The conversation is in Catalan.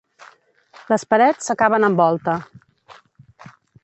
Les parets acaben en volta.